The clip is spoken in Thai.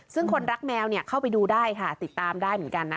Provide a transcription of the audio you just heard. ซึ่งคนรักแมวเนี่ยเข้าไปดูได้ค่ะติดตามได้เหมือนกันนะ